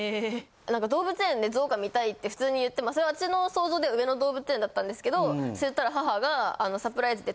何か動物園でゾウが見たいって普通に言ってもそれは私の想像では上野動物園だったんですけどそう言ったら母がサプライズで。